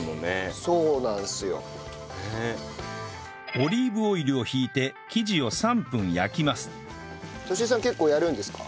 オリーブオイルを引いて生地を３分焼きますとし江さん結構やるんですか？